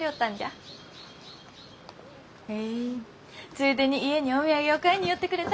ついでに家にお土産を買いに寄ってくれたんじゃ。